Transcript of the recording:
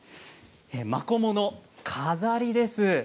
マコモの飾りです。